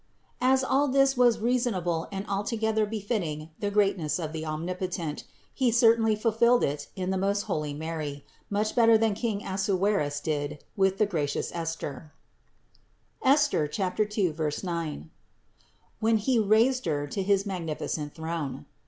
As all this was reasonable and altogether befitting the greatness of the Omnipotent, He certainly fulfilled it in the most holy Mary, much better than king Assuerus did with the gracious Esther (Esther 2, 9), when he raised her to his magnificent throne.